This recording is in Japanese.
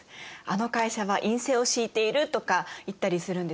「あの会社は院政を敷いている」とか言ったりするんですよね。